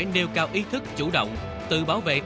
để vận động lắp đặt